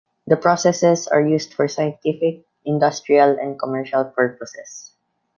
The processes are used for scientific, industrial and commercial purposes.